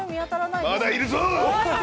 まだいるぞ！